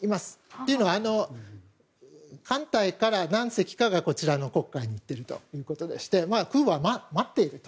というのは、艦隊から何隻かがこちらの黒海に行っているということで空母は待っていると。